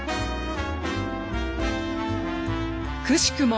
くしくも